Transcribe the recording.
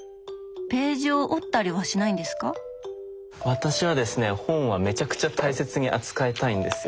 私はですね本はめちゃくちゃ大切に扱いたいんですよ。